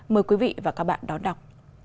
mời quý vị và các bạn đón đọc